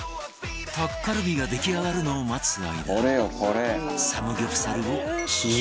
タッカルビが出来上がるのを待つ間サムギョプサルを試食